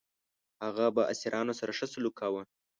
هغه به اسیرانو سره ښه سلوک کاوه.